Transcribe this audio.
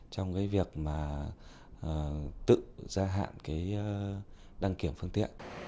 trong cái việc mà tự gia hạn cái đăng kiểm phương tiện